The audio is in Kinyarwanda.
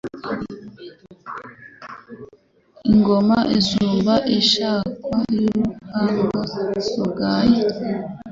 Ingoma isumba ishakwe y'uruhanga rugaye